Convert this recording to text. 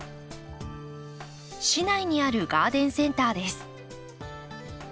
市内にあるガーデンセンターです。